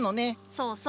そうそう。